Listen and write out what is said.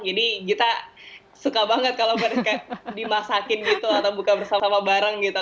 jadi kita suka banget kalau dimasakin gitu atau buka bersama sama bareng gitu